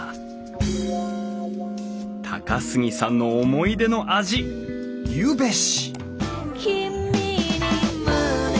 高杉さんの思い出の味ゆべし！